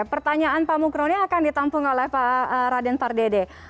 pertanyaan pak mukroni akan ditampung oleh pak raden fardede